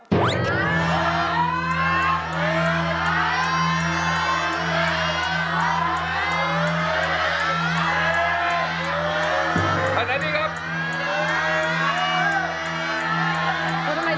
เขาทำไมเชียร์เสียง